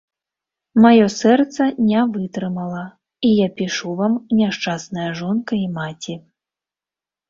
Маё сэрца не вытрымала, і я пішу вам, няшчасная жонка і маці.